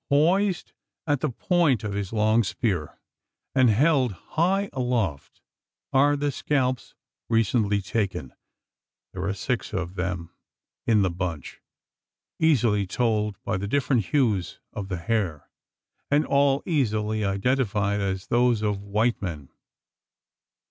Poised on the point of his long spear, and held high aloft, are the scalps recently taken. There are six of them in the bunch easily told by the different hues of the hair; and all easily identified as those of white men.